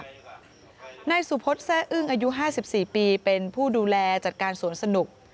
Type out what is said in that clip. นายสุพศแร่อึ้งอายุ๕๔ปีเป็นผู้ดูแลจัดการสวนสนุก